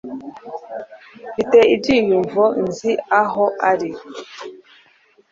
Mfite ibyiyumvo nzi aho ari.